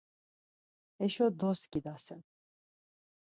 Heşo doskidasen.